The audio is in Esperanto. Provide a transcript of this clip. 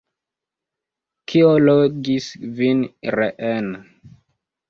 Kio logis vin reen?